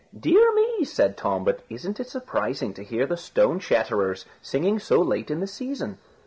"Dear me," said Tom, "but isn't it surprising to hear the stonechatters singing so late in the season?"